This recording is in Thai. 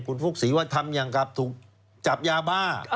คุณฟุกศรีวะธรรมงัยอย่างกับถูกจับยาบ้า